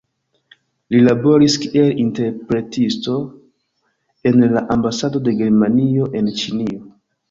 Li laboris kiel interpretisto en la ambasado de Germanio en Ĉinio.